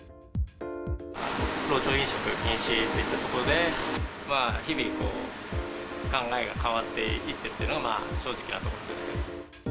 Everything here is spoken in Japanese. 路上飲食が禁止といったところで、日々、考えが変わっていってるっていうのがまあ、正直なところですけれども。